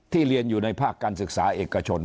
เรียนอยู่ในภาคการศึกษาเอกชน